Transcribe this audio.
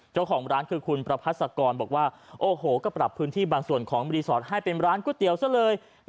เจ้าของร้านคือคุณประพัศกรบอกว่าโอ้โหก็ปรับพื้นที่บางส่วนของรีสอร์ทให้เป็นร้านก๋วยเตี๋ยวซะเลย